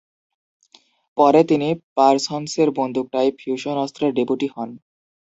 পরে তিনি পারসন্সের বন্দুক-টাইপ ফিউশন অস্ত্রের ডেপুটি হন।